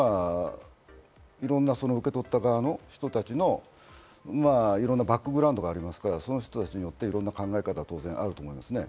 基本的に戦争は情報戦ですから、いろんな受け取った側の人たちのいろんなバックグラウンドがありますから、その人たちによっていろんな考え方が当然あると思います。